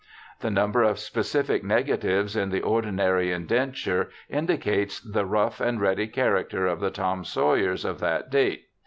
The number of specific negatives in the ordinary inden ture indicates the rough and ready character of the Tom Sawyers of that date.